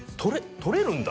取れるんだ？